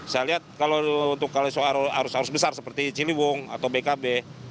saya lihat kalau untuk arus arus besar seperti ciliwung atau bkb